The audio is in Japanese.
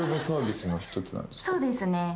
そうですね。